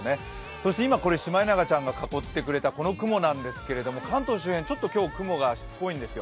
そして今、シマエナガちゃんが囲ってくれたこの円なんですけど関東周辺ちょっと雲がしつこいんですよ。